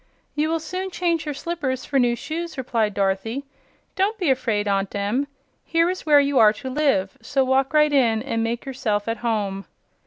"You will soon change your slippers for new shoes," replied Dorothy. "Don't be afraid, Aunt Em. Here is where you are to live, so walk right in and make yourself at home."